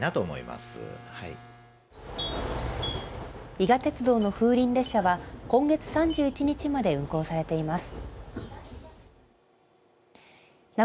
伊賀鉄道の風鈴列車は今月３１日まで運行されています。